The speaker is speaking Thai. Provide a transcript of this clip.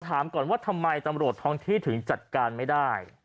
ถามก่อนว่าทำไมตำรวจท้องที่ถึงจัดการไม่ได้